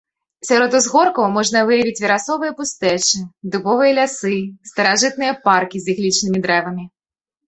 Сярод узгоркаў можна выявіць верасовыя пустэчы, дубовыя лясы, старажытныя паркі з іглічнымі дрэвамі.